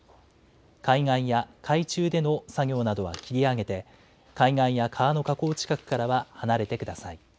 海岸や海中での作業などは切り上げて、海岸や川の河口近くからは離れてください。